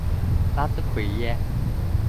拉兹奎耶。